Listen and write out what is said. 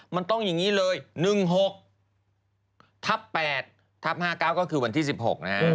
มันต้องอย่างนี้เลย๑๖ทับ๘ทับ๕๙ก็คือวันที่๑๖นะฮะ